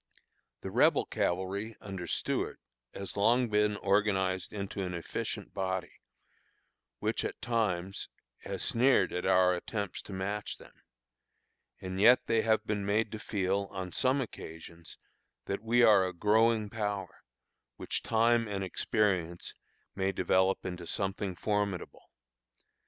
The Rebel cavalry under Stuart has long been organized into an efficient body, which, at times, has sneered at our attempts to match them; and yet they have been made to feel, on some occasions, that we are a growing power, which time and experience may develop into something formidable.